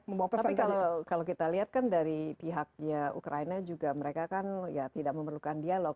tapi kalau kita lihat kan dari pihaknya ukraina juga mereka kan ya tidak memerlukan dialog